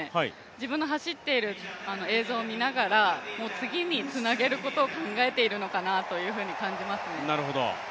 自分の走っている映像を見ながら次につなげることを考えているのかなというふうに感じますね。